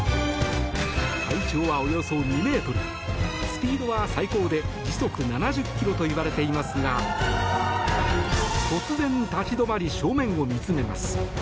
体長はおよそ２ｍスピードは最高で時速７０キロといわれていますが突然、立ち止まり正面を見つめます。